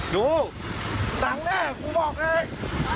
ดูตังแชทคุณบอกเนี่ย